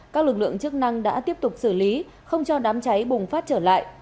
các lực lượng chức năng đã tiếp tục xử lý không cho đám cháy bùng phát trở lại